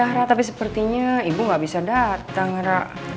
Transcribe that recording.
ya ra tapi sepertinya ibu ga bisa datang ra